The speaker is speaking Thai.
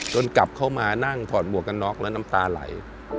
กลับเข้ามานั่งถอดหมวกกันน็อกแล้วน้ำตาไหล